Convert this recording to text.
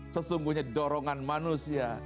sesungguhnya dorongan manusia